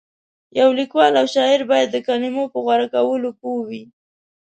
یو لیکوال او شاعر باید د کلمو په غوره کولو پوه وي.